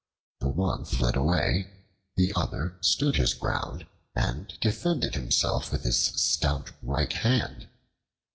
The one fled away; the other stood his ground and defended himself with his stout right hand.